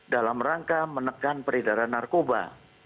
dalam rangka menekan peredaran narkoba